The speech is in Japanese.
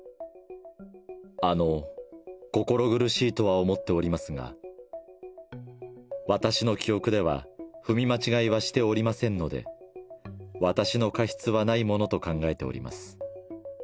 あの、心苦しいとは思っておりますが、私の記憶では踏み間違いはしておりませんので、私の過失はないものと考えております。